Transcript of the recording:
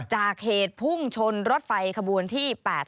จากเหตุพุ่งชนรถไฟขบวนที่๘๘